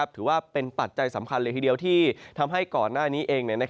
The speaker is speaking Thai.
ถือว่าเป็นปัจจัยสำคัญเลยทีเดียวที่ทำให้ก่อนหน้านี้เอง